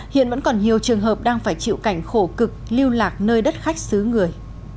hiện vẫn còn nhiều trường hợp đang phải chịu cảnh khổ cực lưu lạc nơi đất khách xứ người